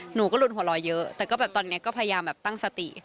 หนูก็ลุนหัวลอยเยอะแต่ก็แบบตอนนี้ก็พยายามแบบตั้งสติ